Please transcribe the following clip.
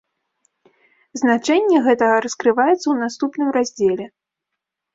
Значэнне гэтага раскрываецца ў наступным раздзеле.